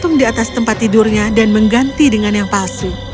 dia menemukan pedangnya di atas tempat tidurnya dan mengganti dengan yang palsu